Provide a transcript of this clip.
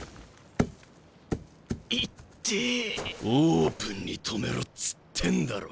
オープンに止めろっつってんだろうが。